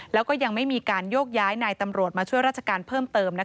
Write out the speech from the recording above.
แล้วก็ยังไม่มีการโยกย้ายนายตำรวจมาช่วยราชการเพิ่มเติม